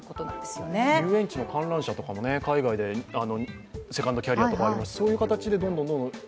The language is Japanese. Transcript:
遊園地の観覧車も海外でセカンドキャリアとかありますので、そういう形でどんどん。